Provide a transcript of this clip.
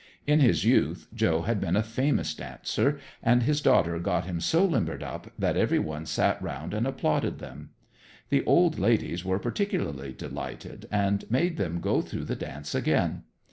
In his youth Joe had been a famous dancer, and his daughter got him so limbered up that every one sat round and applauded them. The old ladies were particularly delighted, and made them go through the dance again.